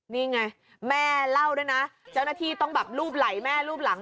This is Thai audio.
นี่ไงแม่เล่าด้วยนะเจ้าหน้าที่ต้องแบบรูปไหล่แม่รูปหลัง